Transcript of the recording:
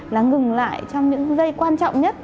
là ngừng lại trong những giây quan trọng nhất